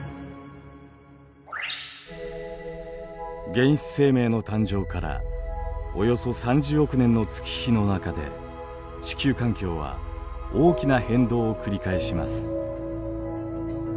原始生命の誕生からおよそ３０億年の月日の中で地球環境は大きな変動を繰り返します。